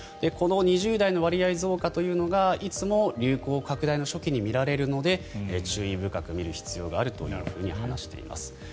この２０代の割合増加というのがいつも流行拡大の初期に見られるので注意深く見る必要があると話しています。